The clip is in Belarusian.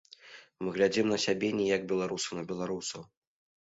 Мы глядзім на сябе не як беларусы на беларусаў.